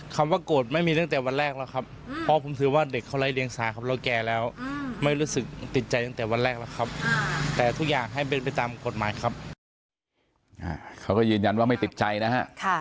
เค้าก็ยืนยันว่าไม่ติดใจนะฮะครับจังเป้นกฎหมายแหละ